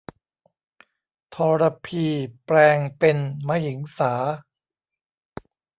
ทรพีแปลงเป็นมหิงสา